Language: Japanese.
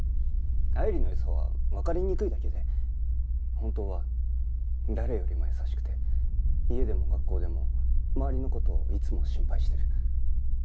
愛理の良さはわかりにくいだけで本当は誰よりも優しくて家でも学校でも周りの事をいつも心配してる。